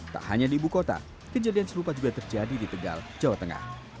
tak hanya di ibu kota kejadian serupa juga terjadi di tegal jawa tengah